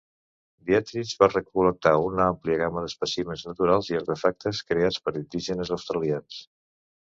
Dietrich va recol·lectar una àmplia gamma d'espècimens naturals i artefactes creats per indígenes australians.